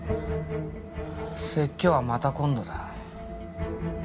説教はまた今度だ。